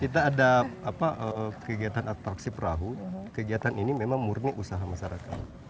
kita ada kegiatan atraksi perahu kegiatan ini memang murni usaha masyarakat